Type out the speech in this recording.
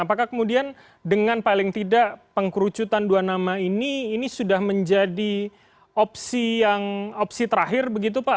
apakah kemudian dengan paling tidak pengkerucutan dua nama ini ini sudah menjadi opsi yang opsi terakhir begitu pak